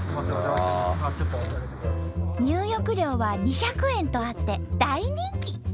入浴料は２００円とあって大人気！